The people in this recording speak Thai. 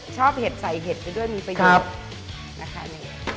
ชอบเผ็ดใส่เผ็ดด้วยมีประยุกต์